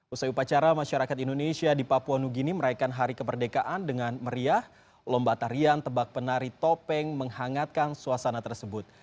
usai upacara masyarakat indonesia di papua new guinea merayakan hari kemerdekaan dengan meriah lomba tarian tebak penari topeng menghangatkan suasana tersebut